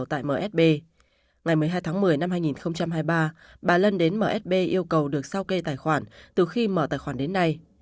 ngày msb ngày một mươi hai tháng một mươi năm hai nghìn hai mươi ba bà lân đến msb yêu cầu được sao kê tài khoản từ khi mở tài khoản đến nay